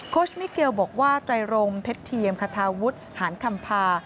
โค้ชมิเกียลบอกว่าไตรรมเพชรเทียมคาทาวุฒิหานคัมภา